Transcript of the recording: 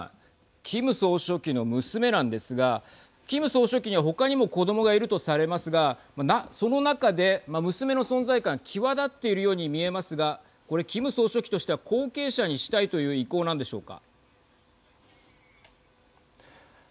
キム総書記の娘なんですがキム総書記には他にも子どもがいるとされますがその中で、娘の存在感際立っているように見えますがこれキム総書記としては後継者にしたいという意向なんでしょうか。